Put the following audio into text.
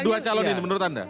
dua calon ini menurut anda